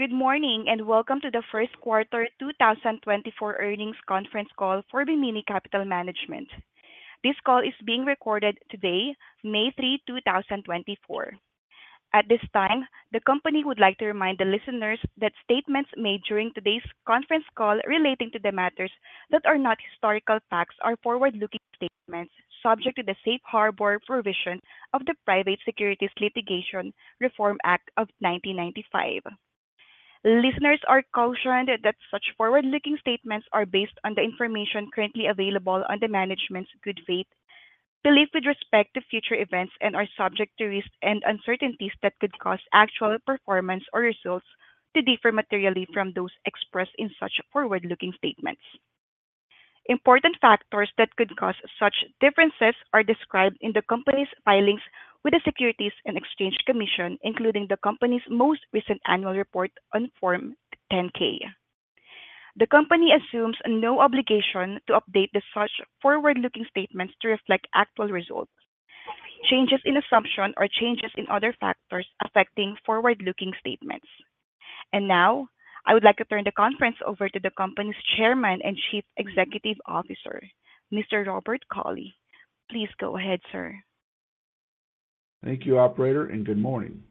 Good morning and welcome to the first quarter 2024 earnings conference call for Bimini Capital Management. This call is being recorded today, May 3, 2024. At this time, the company would like to remind the listeners that statements made during today's conference call relating to the matters that are not historical facts are forward-looking statements subject to the safe harbor provision of the Private Securities Litigation Reform Act of 1995. Listeners are cautioned that such forward-looking statements are based on the information currently available to management's good faith belief with respect to future events, and are subject to risks and uncertainties that could cause actual performance or results to differ materially from those expressed in such forward-looking statements. Important factors that could cause such differences are described in the company's filings with the Securities and Exchange Commission, including the company's most recent annual report on Form 10-K. The company assumes no obligation to update such forward-looking statements to reflect actual results, changes in assumptions, or changes in other factors affecting forward-looking statements. Now, I would like to turn the conference over to the company's Chairman and Chief Executive Officer, Mr. Robert Cauley. Please go ahead, sir. Thank you, operator, and good morning.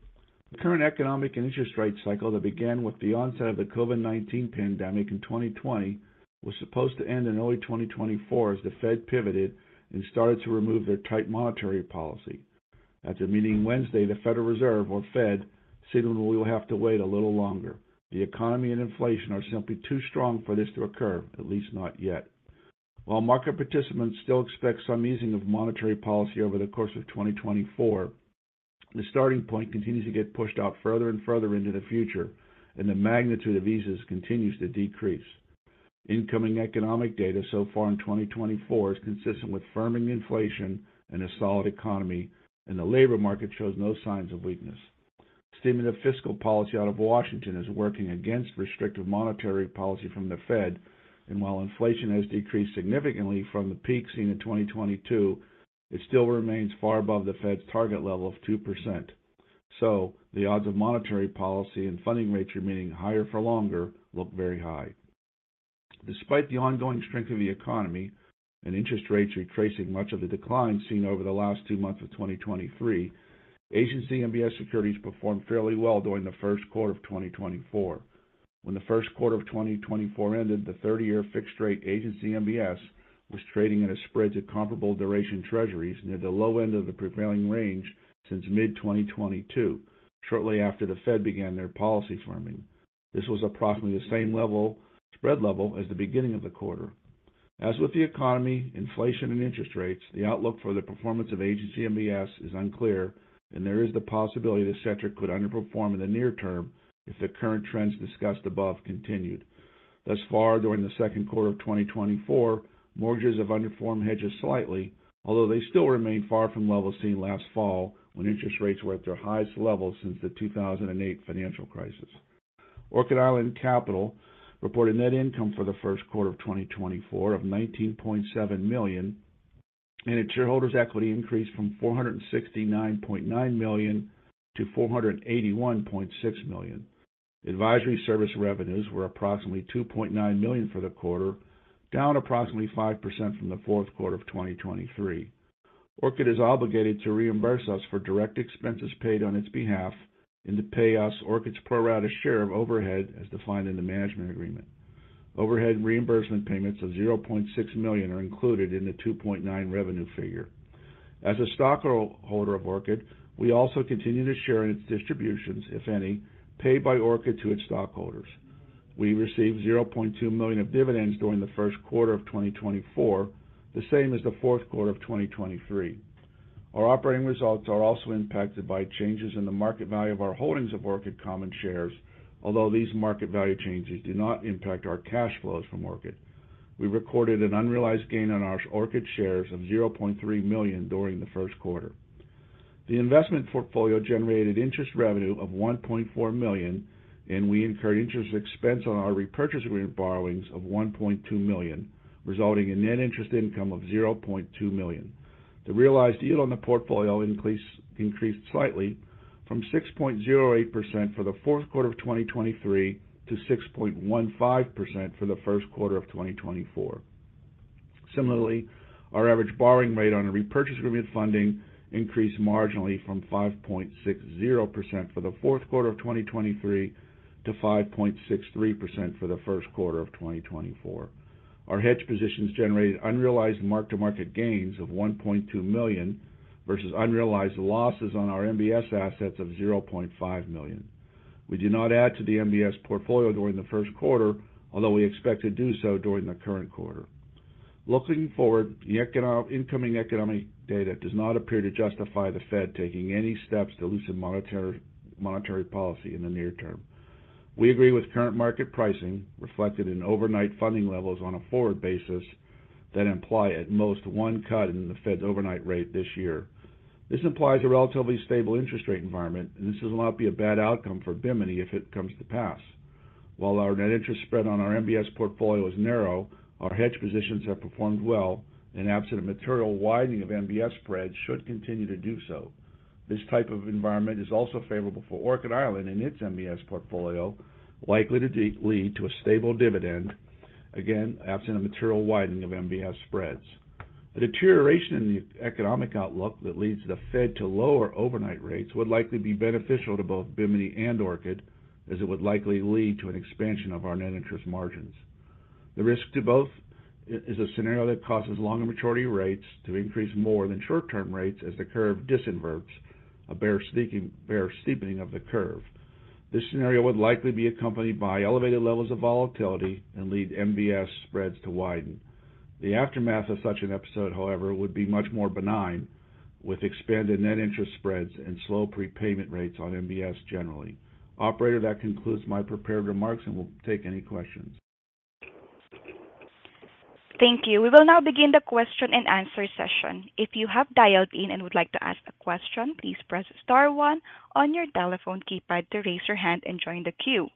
The current economic and interest rate cycle that began with the onset of the COVID-19 pandemic in 2020 was supposed to end in early 2024 as the Fed pivoted and started to remove their tight monetary policy. After meeting Wednesday, the Federal Reserve, or Fed, signaled we will have to wait a little longer. The economy and inflation are simply too strong for this to occur, at least not yet. While market participants still expect some easing of monetary policy over the course of 2024, the starting point continues to get pushed out further and further into the future, and the magnitude of eases continues to decrease. Incoming economic data so far in 2024 is consistent with firming inflation and a solid economy, and the labor market shows no signs of weakness. Stimulus of fiscal policy out of Washington is working against restrictive monetary policy from the Fed, and while inflation has decreased significantly from the peak seen in 2022, it still remains far above the Fed's target level of 2%. So the odds of monetary policy and funding rates remaining higher for longer look very high. Despite the ongoing strength of the economy and interest rates retracing much of the decline seen over the last two months of 2023, Agency MBS securities performed fairly well during the first quarter of 2024. When the first quarter of 2024 ended, the 30-year fixed-rate Agency MBS was trading in a spread to comparable duration Treasuries near the low end of the prevailing range since mid-2022, shortly after the Fed began their policy firming. This was approximately the same spread level as the beginning of the quarter. As with the economy, inflation, and interest rates, the outlook for the performance of Agency MBS is unclear, and there is the possibility the sector could underperform in the near term if the current trends discussed above continued. Thus far, during the second quarter of 2024, mortgages have underperformed hedges slightly, although they still remain far from levels seen last fall when interest rates were at their highest levels since the 2008 financial crisis. Orchid Island Capital reported net income for the first quarter of 2024 of $19.7 million, and its shareholders' equity increased from $469.9 million to $481.6 million. Advisory services revenues were approximately $2.9 million for the quarter, down approximately 5% from the fourth quarter of 2023. Orchid Island Capital is obligated to reimburse us for direct expenses paid on its behalf and to pay us Orchid Island Capital's pro rata share of overhead as defined in the management agreement. Overhead reimbursement payments of $0.6 million are included in the $2.9 million revenue figure. As a stockholder of Orchid, we also continue to share in its distributions, if any, paid by Orchid to its stockholders. We received $0.2 million of dividends during the first quarter of 2024, the same as the fourth quarter of 2023. Our operating results are also impacted by changes in the market value of our holdings of Orchid common shares, although these market value changes do not impact our cash flows from Orchid. We recorded an unrealized gain on our Orchid shares of $0.3 million during the first quarter. The investment portfolio generated interest revenue of $1.4 million, and we incurred interest expense on our repurchase agreement borrowings of $1.2 million, resulting in net interest income of $0.2 million. The realized yield on the portfolio increased slightly from 6.08% to 6.15% for the fourth quarter of 2023 to the first quarter of 2024. Similarly, our average borrowing rate on repurchase agreement funding increased marginally from 5.60% to 5.63% for the fourth quarter of 2023 to the first quarter of 2024. Our hedge positions generated unrealized mark-to-market gains of $1.2 million versus unrealized losses on our MBS assets of $0.5 million. We did not add to the MBS portfolio during the first quarter, although we expect to do so during the current quarter. Looking forward, incoming economic data does not appear to justify the Fed taking any steps to loosen monetary policy in the near term. We agree with current market pricing reflected in overnight funding levels on a forward basis that imply at most one cut in the Fed's overnight rate this year. This implies a relatively stable interest rate environment, and this will not be a bad outcome for Bimini if it comes to pass. While our net interest spread on our MBS portfolio is narrow, our hedge positions have performed well, and, absent a material widening of MBS spreads, should continue to do so. This type of environment is also favorable for Orchid Island and its MBS portfolio, likely to lead to a stable dividend, again, absent a material widening of MBS spreads. A deterioration in the economic outlook that leads the Fed to lower overnight rates would likely be beneficial to both Bimini and Orchid, as it would likely lead to an expansion of our net interest margins. The risk to both is a scenario that causes longer maturity rates to increase more than short-term rates as the curve disinverts, a Bear Steepening of the curve. This scenario would likely be accompanied by elevated levels of volatility and lead MBS spreads to widen. The aftermath of such an episode, however, would be much more benign, with expanded net interest spreads and slow prepayment rates on MBS generally. Operator, that concludes my prepared remarks and will take any questions. Thank you. We will now begin the question and answer session. If you have dialed in and would like to ask a question, please press star one on your telephone keypad to raise your hand and join the queue.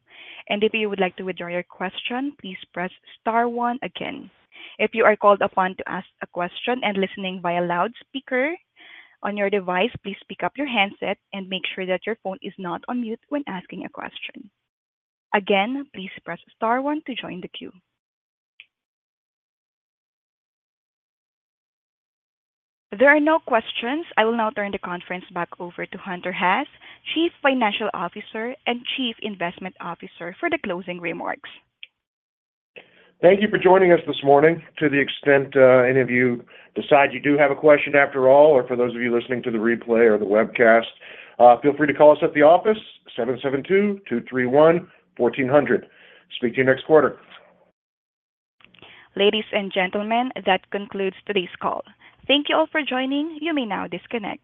If you would like to withdraw your question, please press star one again. If you are called upon to ask a question and listening via loudspeaker on your device, please pick up your handset and make sure that your phone is not on mute when asking a question. Again, please press star one to join the queue. There are no questions. I will now turn the conference back over to Hunter Haas, Chief Financial Officer and Chief Investment Officer, for the closing remarks. Thank you for joining us this morning. To the extent any of you decide you do have a question after all, or for those of you listening to the replay or the webcast, feel free to call us at the office, 772-231-1400. Speak to you next quarter. Ladies and gentlemen, that concludes today's call. Thank you all for joining. You may now disconnect.